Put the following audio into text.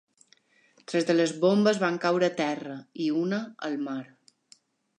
Tres de les bombes van caure a terra, i una al mar.